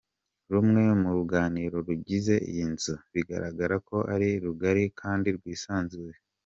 Rumwe mu ruganiro rugize iyi nzu bigaragara ko ari rugari kandi rwisanzuye.